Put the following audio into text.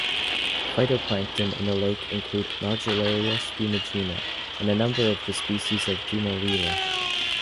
Phytoplankton in the lake includes "Nodularia spumigena" and a number of species of "Dunaliella".